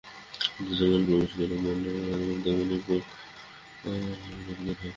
শব্দ যেমন মনে প্রবেশ করে, মনও তেমনি প্রাণে এবং প্রাণ জীবে বিলীন হয়।